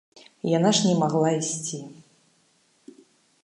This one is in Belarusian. Яна ж не магла ісці.